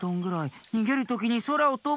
にげるときにそらをとぶ。